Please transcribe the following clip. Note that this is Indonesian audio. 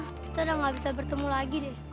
kita udah gak bisa bertemu lagi deh